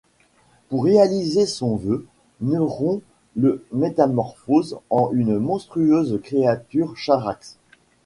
Pour réaliser son vœu, Neron le métamorphose en une monstrueuse créature, Charaxes.